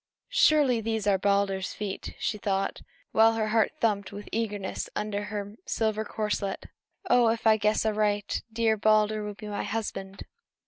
"Surely, these are Balder's feet!" she thought, while her heart thumped with eagerness under her silver corselet. "Oh, if I guess aright, dear Balder will be my husband!"